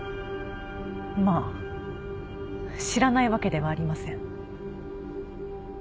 まあ知らないわけではありません。